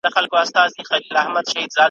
بس هلک مي له بدیو توبه ګار کړ `